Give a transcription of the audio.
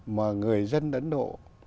mà người dân ấn độ